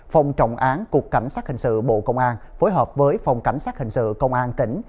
phòng trọng án cục cảnh sát hình sự bộ công an phối hợp với phòng cảnh sát hình sự công an tỉnh